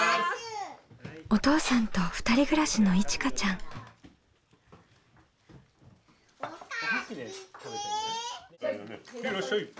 お父さんと２人暮らしのいちかちゃん。へいらっしゃい。